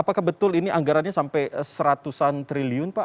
apakah betul ini anggarannya sampai seratusan triliun pak